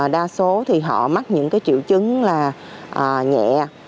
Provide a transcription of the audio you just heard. đa số thì họ mắc những triệu chứng nhẹ